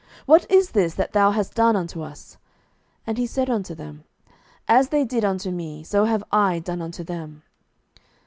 what is this that thou hast done unto us? And he said unto them, As they did unto me, so have I done unto them.